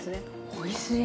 おいしい！